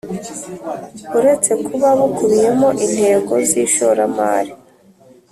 Uretse kuba bukubiyemo intego z ishoramari